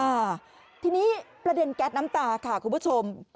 อ่าทีนี้ประเด็นแก๊สน้ำตาค่ะคุณผู้ชม